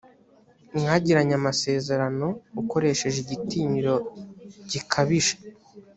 mwagiranye amasezerano ukoresheje igitinyiro gikabije